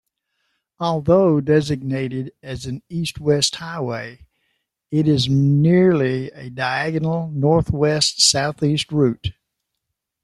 Although designated as an east-west highway, it is nearly a diagonal northwest-southeast route.